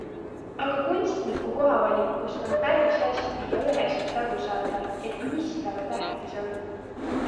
Aga kunstniku kohavalikust on päris hästi ja üheselt aru saada, et mis talle tähtis on.